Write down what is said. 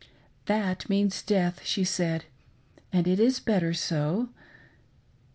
"That means death," she saifl ; "and it is better so."